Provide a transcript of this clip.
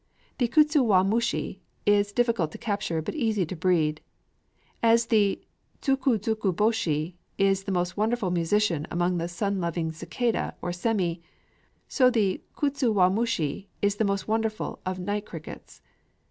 The kutsuwamushi is difficult to capture, but easy to breed. As the tsuku tsuku bōshi is the most wonderful musician among the sun loving cicadæ or semi, so the kutsuwamushi is the most wonderful of night crickets.